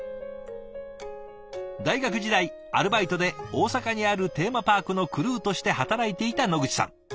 大学時代アルバイトで大阪にあるテーマパークのクルーとして働いていた野口さん。